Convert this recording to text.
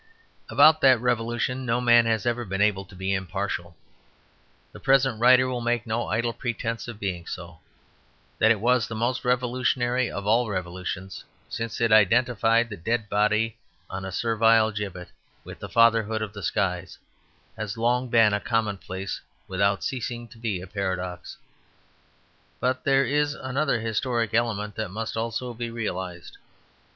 About that revolution no man has ever been able to be impartial. The present writer will make no idle pretence of being so. That it was the most revolutionary of all revolutions, since it identified the dead body on a servile gibbet with the fatherhood in the skies, has long been a commonplace without ceasing to be a paradox. But there is another historic element that must also be realized.